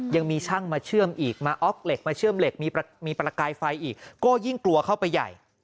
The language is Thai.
ยังมีช่างมาเชื่อมอีกมาอ๊อกเหล็กมาเชื่อมเหล็กมีประกายไฟอีกก็ยิ่งกลัวเข้าไปใหญ่